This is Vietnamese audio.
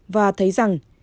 và thấy rằng